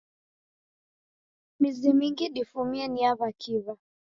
Mizi mingi difumie ni ya w'akiw'a.